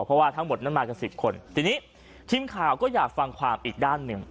เพราะว่าทั้งหมดนั้นมากันสิบคนทีนี้ทีมข่าวก็อยากฟังความอีกด้านหนึ่ง